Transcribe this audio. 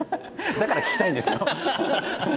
だから聞きたいんですよ。